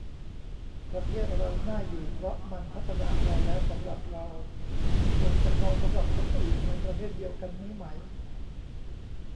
ประเทศเราน่าอยู่ เพราะมันพัฒนาพอแล้วสำหรับเรา ส่วนจะพอสำหรับคนอื่นในประเทศเดียวกันนี้ไหม